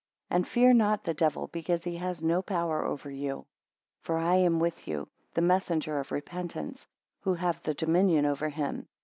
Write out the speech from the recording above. And fear not the devil, because he has no power over you. 23 For I am with you, the messenger of repentance, who have the dominion over him.